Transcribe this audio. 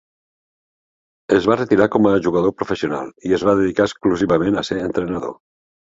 Es va retirar com a jugador professional i es va dedicar exclusivament a ser entrenador.